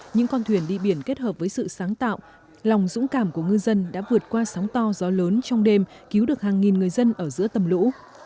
những con thuyền đi biển kết hợp với sự sáng tạo lòng dũng cảm của ngư dân đã vượt qua sóng to gió lớn trong đêm cứu được hàng nghìn người dân ở giữa tầm lũ